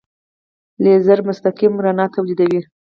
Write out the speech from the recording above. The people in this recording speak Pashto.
لیزر مستقیمه رڼا تولیدوي.